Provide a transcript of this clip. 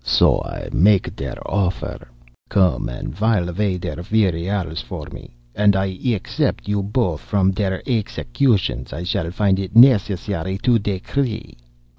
So I make der offer. Come and while away der weary hours for me, and I except you both from der executions I shall findt it necessary to decree.